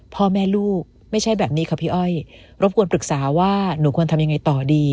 พ่อแม่ลูกไม่ใช่แบบนี้ค่ะพี่อ้อยรบกวนปรึกษาว่าหนูควรทำยังไงต่อดี